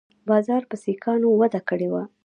بازار په سیکانو وده کړې وه